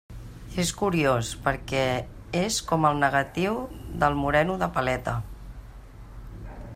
És curiós, perquè és com el negatiu del moreno de paleta.